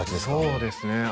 そうですね